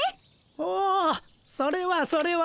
おおそれはそれは。